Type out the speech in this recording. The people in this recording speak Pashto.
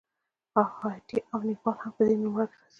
هایټي او نیپال هم په دې نوملړ کې راځي.